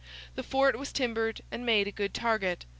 The fort was timbered and made a good target.